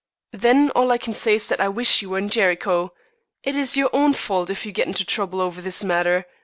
"Then all I can say is that I wish you were in Jericho. It is your own fault if you get into trouble over this matter.